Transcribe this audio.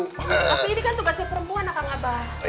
tapi ini kan tugasnya perempuan abang abah